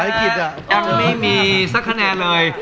ผิดยังไม่มีสักคะแนนเลย